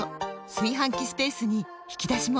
炊飯器スペースに引き出しも！